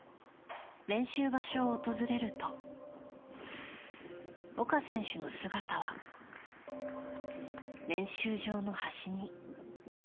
練習場所を訪れると岡選手の姿は練習場の端に。